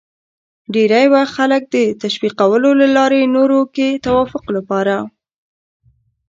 ډېری وخت خلک د تشویقولو له لارې نورو کې د توافق لپاره